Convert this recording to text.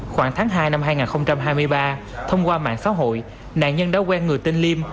khoảng tháng hai năm hai nghìn hai mươi ba thông qua mạng xã hội nạn nhân đã quen người tên liêm